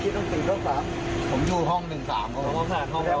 พี่ยังพามาว่างั้นที่ยังประมาณจดใช้